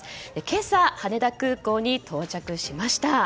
今朝、羽田空港に到着しました。